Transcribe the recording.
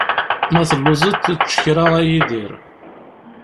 Ma telluẓeḍ, ečč kra a Yidir.